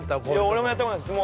◆俺もやったことないです。